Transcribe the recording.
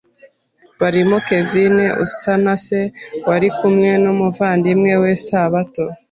barimo Kevine Usanase wari kumwe n’umuvandimwe we Sabato